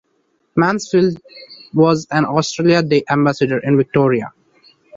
Mansfield was an Australia Day ambassador in Victoria.